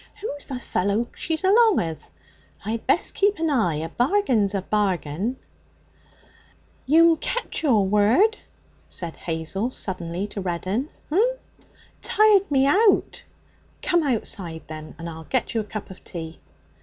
'Who's the fellow she's along with? I'd best keep an eye. A bargain's a bargain.' 'You'm kept your word,' said Hazel suddenly to Reddin. 'H'm?' 'Tired me out.' 'Come outside, then, and I'll get you a cup of tea.'